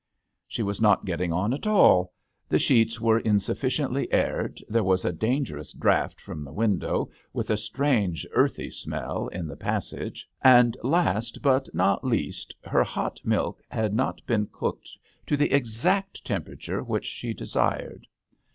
She was not getting on at all. The sheets were insufficiently aired, there was a dangerous draught from the window with a strange earthy smell in the pas sage, and last but not least her hot milk had not been cooked to the exact temperature which she desired.